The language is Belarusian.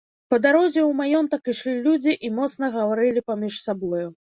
Па дарозе ў маёнтак ішлі людзі і моцна гаварылі паміж сабою.